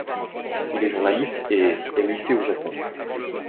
Il est journaliste et est muté au Japon.